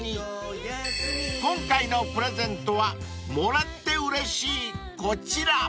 ［今回のプレゼントはもらってうれしいこちら］